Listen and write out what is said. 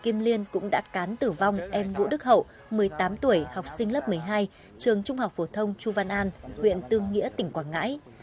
em vũ đức hậu một mươi tám tuổi học sinh lớp một mươi hai trường trung học phổ thông chu văn an huyện tương nghĩa tỉnh quảng ngãi